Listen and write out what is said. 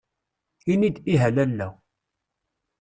Ini-d ih a lalla.